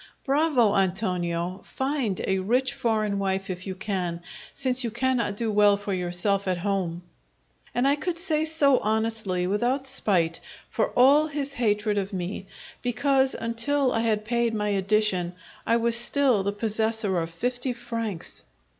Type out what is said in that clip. "Bravo, Antonio! Find a rich foreign wife if you can, since you cannot do well for yourself at home!" And I could say so honestly, without spite, for all his hatred of me, because, until I had paid my addition, I was still the possessor of fifty francs!